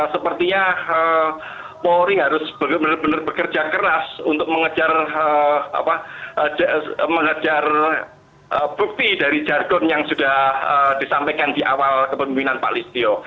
sepertinya polri harus benar benar bekerja keras untuk mengejar bukti dari jargon yang sudah disampaikan di awal kepemimpinan pak listio